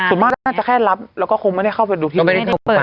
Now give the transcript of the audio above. คุณแม่จะแค่รับแล้วก็คงไม่ได้เข้าไปดูที่ไม่ได้เปิด